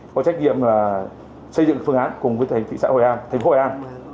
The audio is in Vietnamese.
có trách nhiệm là xây dựng phương án cùng với thành phố hội an